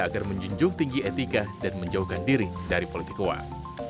agar menjunjung tinggi etika dan menjauhkan diri dari politik uang